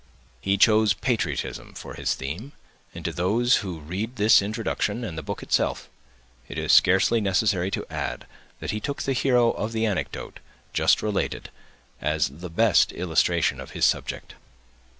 He chose patriotism for his theme; and to those who read this introduction and the book itself, it is scarcely necessary to add, that he took the hero of the anecdote just related as the best illustration of his subject.